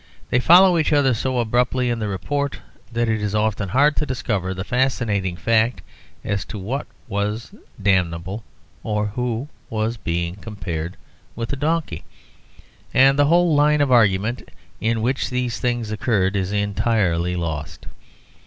They follow each other so abruptly in the report that it is often hard to discover the fascinating fact as to what was damnable or who was being compared with a donkey. And the whole line of argument in which these things occurred is entirely lost.